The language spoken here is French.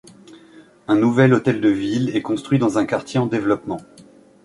Un nouvel hôtel de ville est construit dans un quartier en développement.